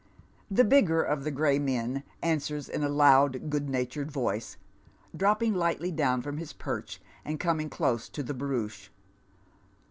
The bigger of the gray men answers in a loud good natured voice, dropping hghtiy down from his perch, and coming close to the barouche.